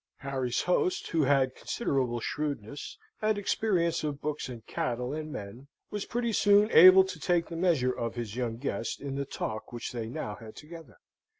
Harry's host, who had considerable shrewdness, and experience of books, and cattle, and men, was pretty soon able to take the measure of his young guest in the talk which they now had together.